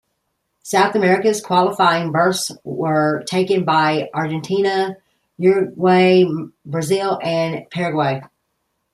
South America's qualifying berths were taken by Argentina, Uruguay, Brazil and Paraguay.